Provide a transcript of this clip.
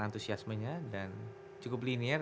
antusiasmenya dan cukup linier